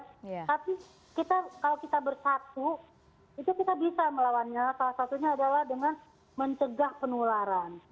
tapi kalau kita bersatu itu kita bisa melawannya salah satunya adalah dengan mencegah penularan